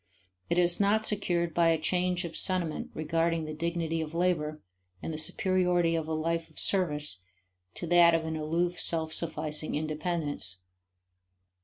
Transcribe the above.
It is not secured by a change of sentiment regarding the dignity of labor, and the superiority of a life of service to that of an aloof self sufficing independence.